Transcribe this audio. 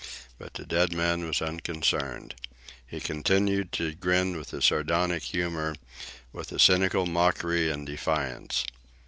But the dead man was unconcerned. He continued to grin with a sardonic humour, with a cynical mockery and defiance.